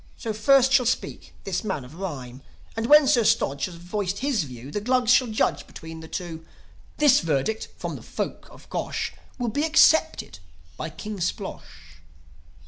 So, first shall speak this man of rhyme; And, when Sir Stodge has voiced his view, The Glugs shall judge between the two. This verdict from the folk of Gosh Will be accepted by King Splosh."